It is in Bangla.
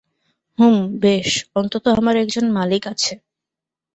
হুম, বেশ, অন্তত আমার একজন মালিক আছে।